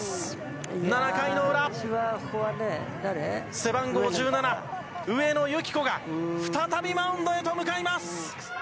背番号１７、上野由岐子が、再びマウンドへと向かいます。